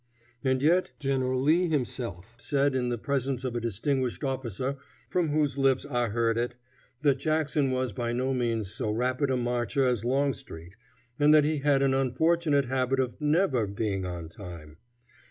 And yet General Lee himself said in the presence of a distinguished officer from whose lips I heard it, that Jackson was by no means so rapid a marcher as Longstreet, and that he had an unfortunate habit of never being on time.